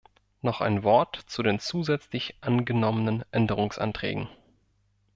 Noch ein Wort zu den zusätzlich angenommenen Änderungsanträgen.